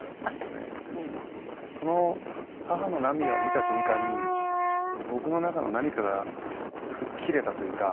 その母の涙を見た瞬間に僕の中の何かが吹っ切れたというか。